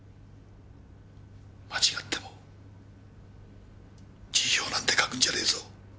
間違っても辞表なんて書くんじゃねえぞ。